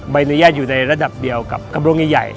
ใบอนุญาตอยู่ในระดับเดียวกับกระดงใหญ่